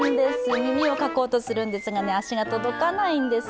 耳をかこうとするんですが足が届かないんです。